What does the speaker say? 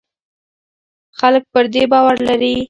خلک پر دې باور لري.